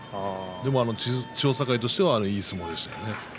でも千代栄としたらいい相撲でしたね。